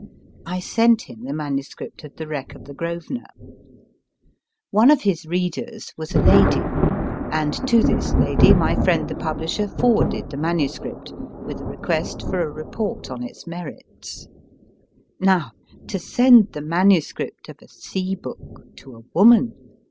I sent him the manuscript of The Wreck of the u Grosvenor." One of his readers was a CLARK RUSSELL 37 lady, and to this lady my friend the publisher forwarded the manuscript, with a request for a report on its merits. Now to send the manuscript of a sea book to a woman